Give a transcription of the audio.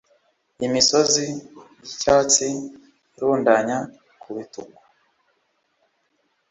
Imisozi yicyatsi irundanya ku bitugu